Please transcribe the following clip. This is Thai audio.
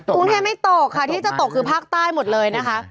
กรุงเทพไม่ตกค่ะที่จะตกคือภาคใต้หมดเลยนะคะ